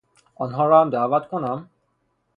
آنها را هم دعوت کنم؟